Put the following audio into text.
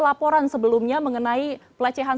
laporan sebelumnya mengenai pelecehan